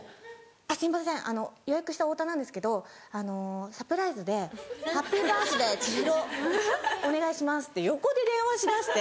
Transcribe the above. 「すいません予約した太田なんですけどサプライズで『ハッピーバースデー千尋』お願いします」って横で電話し出して。